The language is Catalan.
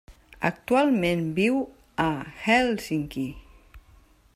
Actualment viu a Hèlsinki.